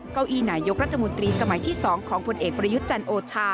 เก้าอี้นายกรัฐมนตรีสมัยที่๒ของผลเอกประยุทธ์จันทร์โอชา